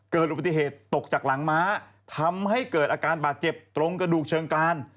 เกิดอุบัติเหตุตกจากหลังม้าทำให้เกิดอาการบาดเจ็บตรงกระดูกเชิงกราน